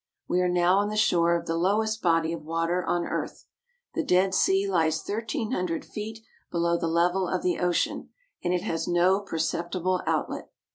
We are now on the shore of the lowest body of water on earth. The Dead Sea lies thirteen hundred feet below the level of the ocean, and it has no perceptible outlet.